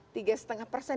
tiga setengah persen